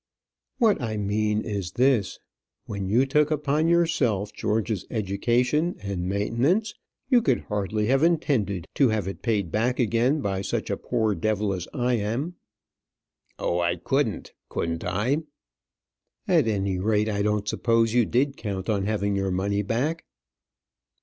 "What I mean is this, when you took upon yourself George's education and maintenance, you could hardly have intended to have it paid back again by such a poor devil as I am." "Oh, I couldn't, couldn't I?" "At any rate, I don't suppose you did count on having your money back."